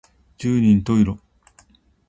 十人十色